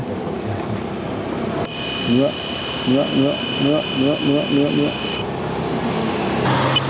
nhựa nhựa nhựa nhựa nhựa nhựa nhựa nhựa